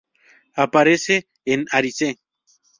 Aparece en "Arise!